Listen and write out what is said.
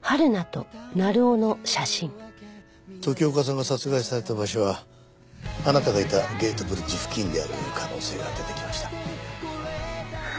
時岡さんが殺害された場所はあなたがいたゲートブリッジ付近である可能性が出てきました。